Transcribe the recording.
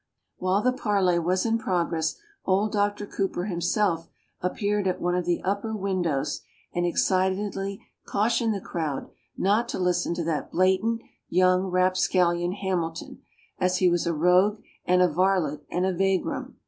While the parley was in progress, old Doctor Cooper himself appeared at one of the upper windows and excitedly cautioned the crowd not to listen to that blatant young rapscallion Hamilton, as he was a rogue and a varlet and a vagrom.